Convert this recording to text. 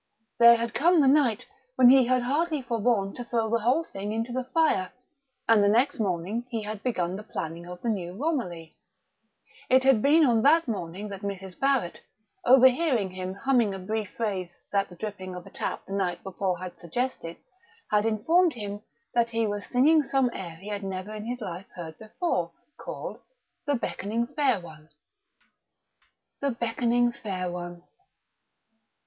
There had come the night when he had hardly forborne to throw the whole thing into the fire; and the next morning he had begun the planning of the new Romilly. It had been on that morning that Mrs. Barrett, overhearing him humming a brief phrase that the dripping of a tap the night before had suggested, had informed him that he was singing some air he had never in his life heard before, called "The Beckoning Fair One."... The Beckoning Fair One!...